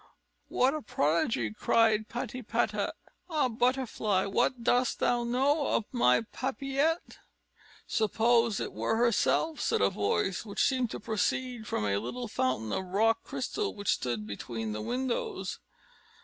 "What a prodigy!" cried Patipata. "Ah! butterfly, what dost thou know of my Papillette?" "Suppose it were herself!" said a voice, which seemed to proceed from a little fountain of rock crystal which stood between the windows.